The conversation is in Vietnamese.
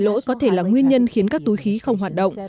lỗi có thể là nguyên nhân khiến các túi khí không hoạt động